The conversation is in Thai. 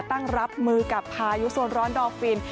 รับมือกับพายุโซนร้อนดอฟฟิน